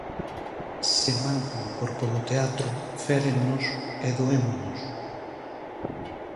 Se mancan o corpo do teatro férennos e doémonos.